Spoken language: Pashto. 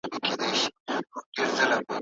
ولي انزوا د هېوادونو لپاره زیانمنه ده؟